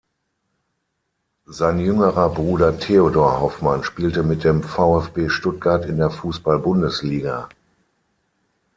Sein jüngerer Bruder Theodor Hoffmann spielte mit dem VfB Stuttgart in der Fußball-Bundesliga.